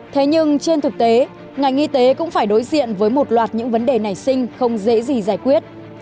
thế nhưng trên thực tế ngành y tế cũng phải đối diện với một loạt những vấn đề nảy sinh không dễ gì giải quyết